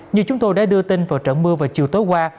như chúng tôi đã đưa tin vào trận mưa vào chiều tối qua